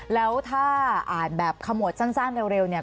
แล้วถ้าอ่านแบบขมวดสั้นเร็วเนี่ย